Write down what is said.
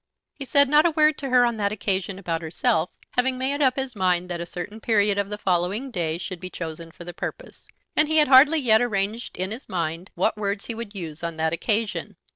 He said not a word to her on that occasion about herself, having made up his mind that a certain period of the following day should be chosen for the purpose, and he had hardly yet arranged in his mind what words he would use on that occasion.